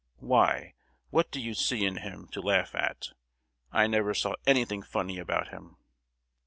Why, what do you see in him to laugh at? I never saw anything funny about him!"